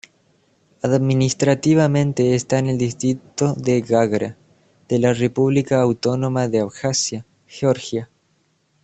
Administrativamente está en el distrito de Gagra de la república autónoma de Abjasia, Georgia.